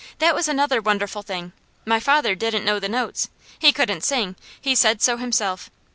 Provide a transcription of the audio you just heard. That was another wonderful thing. My father didn't know the notes. He couldn't sing; he said so himself.